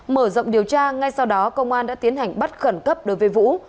mở rộng điều tra ngay sau đó công an đã tiến hành bắt khẩn cấp đối với vũ